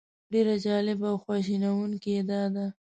ډېره جالبه او خواشینونکې یې دا ده.